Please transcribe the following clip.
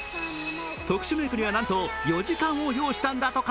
特殊メークにはなんと４時間を要したんだとか。